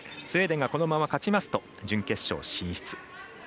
スウェーデンがこのまま勝ちますと準決勝進出。